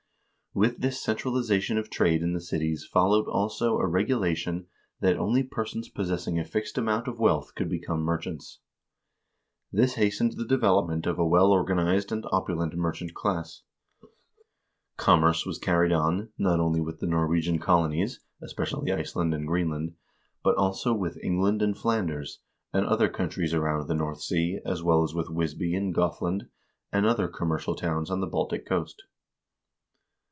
With this centralization of trade in the cities followed also a regula tion that only persons possessing a fixed amount of wealth could become merchants. This hastened the development of a well organ ized and opulent merchant class. Commerce was carried on, not only with the Norwegian colonies, especially Iceland and Greenland, but also with England and Flanders, and other countries around the North Sea, as well as with Wisby in Gothland, and other commercial towns on the Baltic coast.